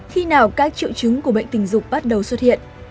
khi nào các triệu chứng của bệnh tình dục bắt đầu xuất hiện